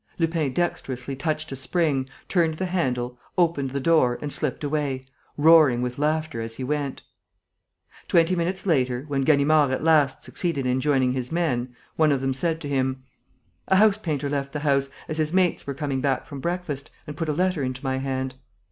Lupin dexterously touched a spring, turned the handle, opened the door and slipped away, roaring with laughter as he went. Twenty minutes later, when Ganimard at last succeeded in joining his men, one of them said to him: "A house painter left the house, as his mates were coming back from breakfast, and put a letter in my hand.